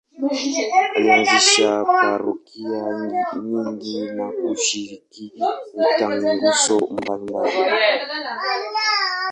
Alianzisha parokia nyingi na kushiriki mitaguso mbalimbali.